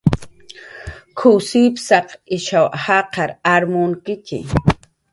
"K""uw sipsaq ishaw jaqar ar munkitxi"